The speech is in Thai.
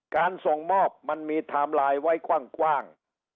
ส่งมอบมันมีไทม์ไลน์ไว้กว้าง